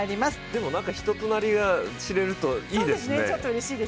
でも人となりが知れるといいですね。